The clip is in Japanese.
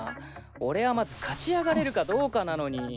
俺はまず勝ち上がれるかどうかなのに。